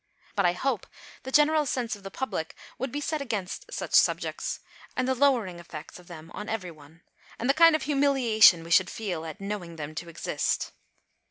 But I hope the general sense of the public would be set against such subjects, and the lowering effects of them on every one, and the kind of humiliation we should feel at knowing them to exist.